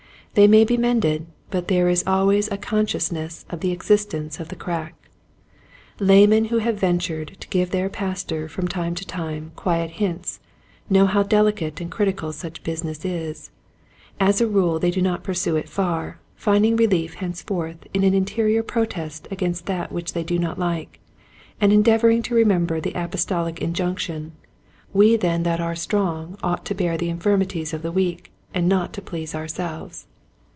They may be mended but there is always a consciousness of the existence of the crack. Laymen who have ventured to give their Pastor from time to time quiet hints know how delicate and critical such business is. As a rule they do not pur sue it far, finding relief henceforth in an interior protest against that which they do not like, and endeavoring to remember the apostolic injunction, "we then that are 14 Quiet Hints to Growing Preachers, strong ought to bear the infirmities of the weak, and not to please ourselves."